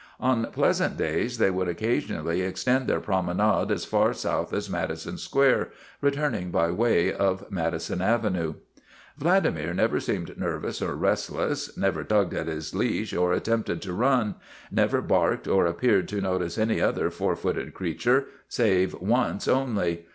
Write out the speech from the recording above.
On pleasant days they would occasionally extend their prome nade as far south as Madison Square, returning by way of Madison Avenue. Vladimir never seemed nervous or restless, never tugged at his leash or attempted to run, never barked or appeared to notice any other four footed crea ture save once only.